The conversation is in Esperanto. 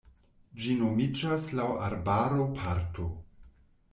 Ĝi nomiĝas laŭ arbaro-parto.